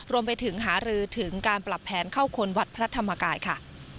รวมไปถึงหารือถึงการปรับแผนเข้าคนวัดพระธรรมกายค่ะ